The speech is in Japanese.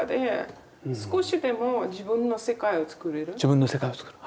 自分の世界を作る。